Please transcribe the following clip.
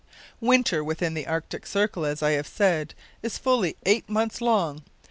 Winter within the Arctic circle, as I have said, is fully eight months long.